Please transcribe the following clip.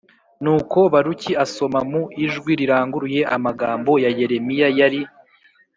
Nuko Baruki asoma mu ijwi riranguruye amagambo ya Yeremiya yari